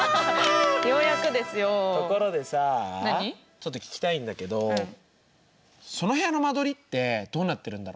ちょっと聞きたいんだけどその部屋の間取りってどうなってるんだろ？